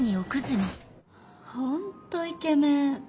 ホントイケメン。